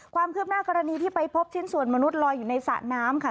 ความคืบหน้ากรณีที่ไปพบชิ้นส่วนมนุษย์ลอยอยู่ในสระน้ำค่ะ